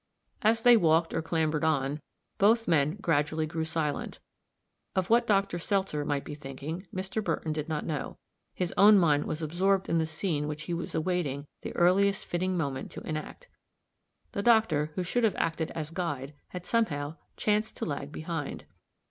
As they walked or clambered on, both men gradually grew silent. Of what Dr. Seltzer might be thinking Mr. Burton did not know his own mind was absorbed in the scene which he was awaiting the earliest fitting moment to enact. The doctor, who should have acted as guide, had, somehow, chanced to lag behind.